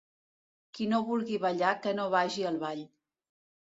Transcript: Qui no vulgui ballar que no vagi al ball.